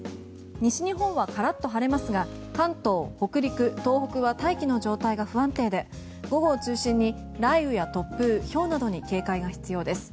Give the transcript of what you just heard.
西日本はカラッと晴れますが関東、東北、北陸は大気の状態が不安定で午後を中心に雷雨や突風、ひょうなどに警戒が必要です。